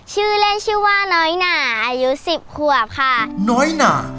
ชื่อเล่นชื่อว่าน้อยหนาอายุสิบขวบค่ะน้อยหนา